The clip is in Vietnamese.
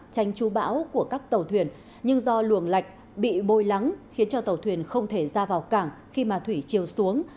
tranh chú bão của các tàu thuyền nhưng do luồng lạch bị bôi lắng khiến cho tàu thuyền không thể ra vào cảng khi mà thủy chiều xuống